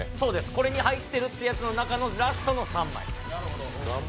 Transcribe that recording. これに入ってるっていう中のラストの３枚。